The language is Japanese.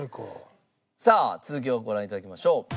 さあ続きをご覧頂きましょう。